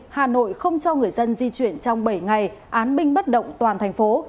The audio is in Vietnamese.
hà nội không cho người dân di chuyển trong bảy ngày án binh bất động toàn thành phố